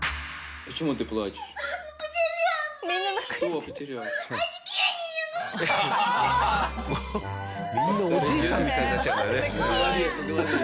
みんなおじいさんみたいになっちゃうんだね。